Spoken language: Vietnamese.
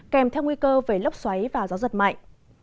kèm theo nguy cơ về lốc xoáy và gió giật mạnh